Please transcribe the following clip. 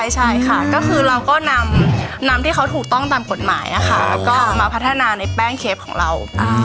ใช่ค่ะก็คือเราก็นำน้ำที่เขาถูกต้องตามกฎหมายแล้วก็มาพัฒนาในแป้งเคฟของเรา